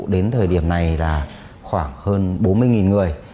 đến thời điểm này là khoảng hơn bốn mươi người